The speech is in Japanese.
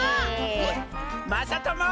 まさとも！